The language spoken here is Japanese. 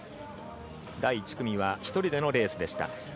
第１組は１人でのレースでした。